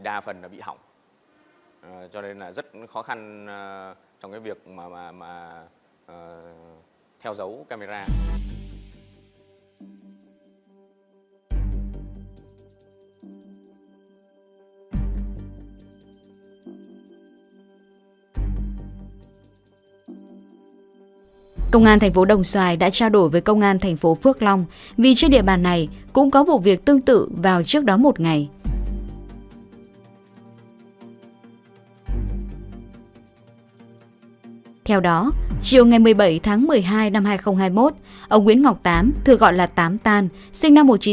theo đó chiều ngày một mươi bảy tháng một mươi hai năm hai nghìn hai mươi một ông nguyễn ngọc tám thừa gọi là tám tan sinh năm một nghìn chín trăm sáu mươi tám